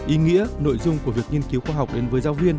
ý nghĩa nội dung của việc nghiên cứu khoa học đến với giáo viên